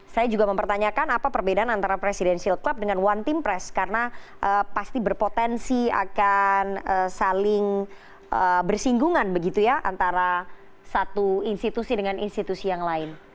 saya juga mempertanyakan apa perbedaan antara presidential club dengan one team press karena pasti berpotensi akan saling bersinggungan begitu ya antara satu institusi dengan institusi yang lain